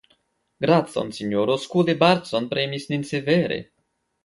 Gracon, sinjoro; Skule Bardsson premis nin severe!